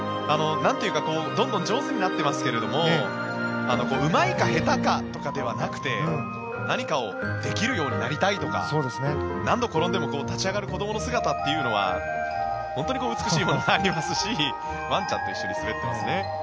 なんというか、どんどん上手になってますけれどもうまいか下手か、とかではなくて何かをできるようになりたいとか何度転んでも立ち上がる子どもの姿っていうのは本当に美しいものがありますしワンちゃんと一緒に滑ってますね